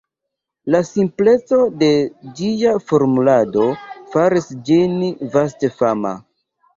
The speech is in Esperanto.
La simpleco de ĝia formulado faris ĝin vaste fama.